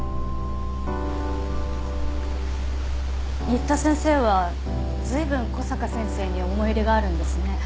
新田先生はずいぶん小坂先生に思い入れがあるんですね。